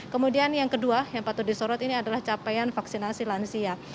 kemudian yang kedua yang patut disorot ini adalah capaian vaksinasi lansia